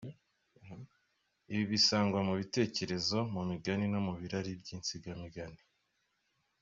Ibi bisangwa mu bitekerezo mu migani no mu birari by’insigamigani.